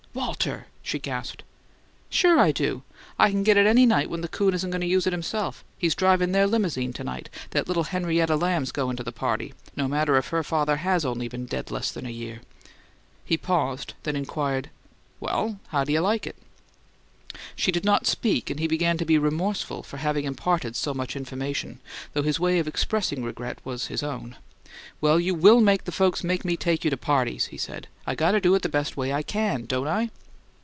"Walter!" she gasped. "Sure I do! I can get it any night when the coon isn't goin' to use it himself. He's drivin' their limousine to night that little Henrietta Lamb's goin' to the party, no matter if her father HAS only been dead less'n a year!" He paused, then inquired: "Well, how d'you like it?" She did not speak, and he began to be remorseful for having imparted so much information, though his way of expressing regret was his own. "Well, you WILL make the folks make me take you to parties!" he said. "I got to do it the best way I CAN, don't I?"